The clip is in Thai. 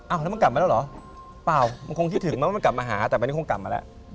แล้วมันกลับมาแล้วเหรอเปล่ามันคงคิดถึงมั้มันกลับมาหาแต่วันนี้คงกลับมาแล้ว